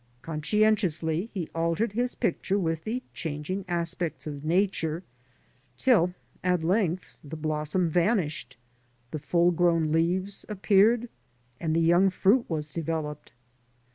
Conscientiously he altered his picture with the changing aspects of Nature, till, at length, the blossom vanished, the full grown leaves appeared, and the young fruit was developed.